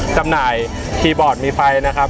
จำหน่ายคีย์บอร์ดมีไฟนะครับ